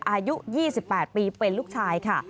อายุ๒๘ปีเป็นลูกชายค่ะ